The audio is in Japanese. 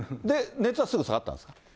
で、熱はすぐ下がったんですか？